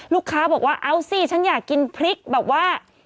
ลูกค้าบอกว่าเอาสิฉันอยากกินพริกแบบว่า